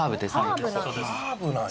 ハーブなんだ。